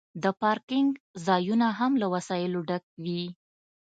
د پارکینګ ځایونه هم له وسایلو ډک وي